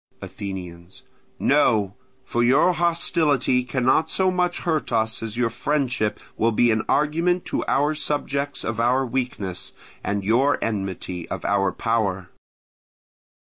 Athenians. No; for your hostility cannot so much hurt us as your friendship will be an argument to our subjects of our weakness, and your enmity of our power.